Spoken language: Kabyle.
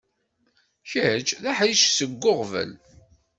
Kečč d aḥric seg uɣbel.